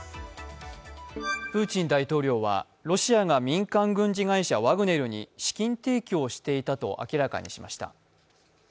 プーチン大統領はロシアが民間軍事会社ワグネルに資金提供していたと明らかにしました。